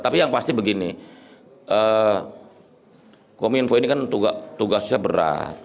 tapi yang pasti begini kominfo ini kan tugasnya berat